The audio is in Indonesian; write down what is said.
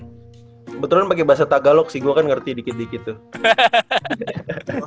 kebetulan pakai bahasa tagalok sih gue kan ngerti dikit dikit tuh